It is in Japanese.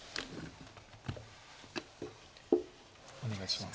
お願いします。